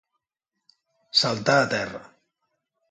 Saltar a terra.